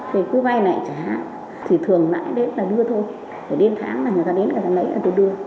thì cứ vay này chả hát